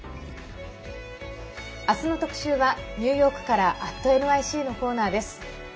明日の特集は、ニューヨークから「＠ｎｙｃ」のコーナーです。